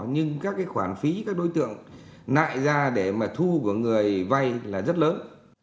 nhưng các cái khoản phí các đối tượng nại ra để mà thu của người vay là rất lớn